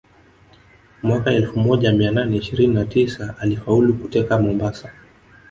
Mwaka elfu moja mia nane ishirini na tisa alifaulu kuteka Mombasa